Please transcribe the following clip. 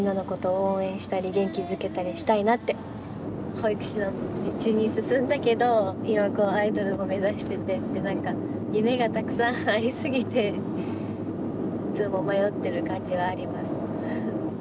保育士の道に進んだけど今はこうアイドルを目指しててって何か夢がたくさんありすぎていつも迷っている感じはあります。